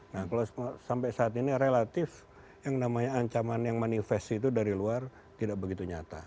nah kalau sampai saat ini relatif yang namanya ancaman yang manifest itu dari luar tidak begitu nyata